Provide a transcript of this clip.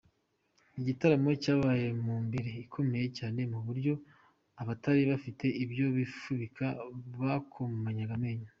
Igitaramo cyabaye mu mbeho ikomeye cyane ku buryo abatari bafite ibyo kwifubika bakomanyaga amenyo.